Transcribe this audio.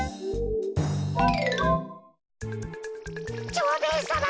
蝶兵衛さま！